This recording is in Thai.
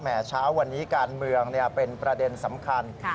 เช้าวันนี้การเมืองเป็นประเด็นสำคัญ